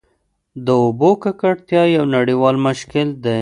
د اوبو ککړتیا یو نړیوال مشکل دی.